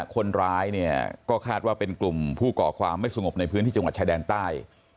คนร้ายเนี่ยก็คาดว่าเป็นกลุ่มผู้ก่อความไม่สงบในพื้นที่จังหวัดชายแดนใต้